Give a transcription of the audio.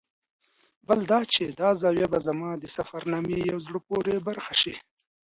بل دا چې دا زاویه به زما د سفرنامې یوه زړه پورې برخه شي.